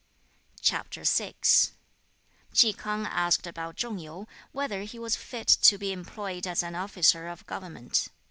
Chi K'ang asked about Chung yu, whether he was fit to be employed as an officer of government.